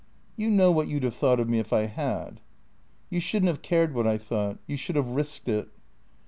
" You know what you 'd have thought of me if I had." "You shouldn't have cared what I thought. You should have risked it."